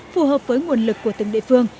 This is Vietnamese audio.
phù hợp với nguồn lực của từng địa phương